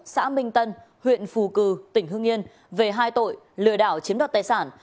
xã minh tân huyện phù cừ tỉnh hương yên về hai tội lừa đảo chiếm đoạt tài sản